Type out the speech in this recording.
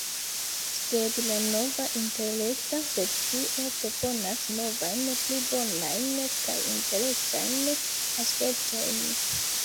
Sed la nova interreta versio proponas novajn pli bonajn kaj interesajn aspektojn.